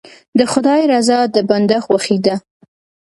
د خدای رضا د بنده خوښي ده.